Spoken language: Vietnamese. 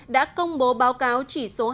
đã công bố báo cáo chỉ số hai bệnh nhân